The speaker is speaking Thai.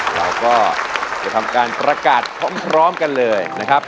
เราก็จะทำการประกาศพร้อมกันเลยนะครับ